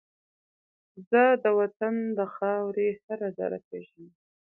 زه د وطن د خاورې هر زره پېژنم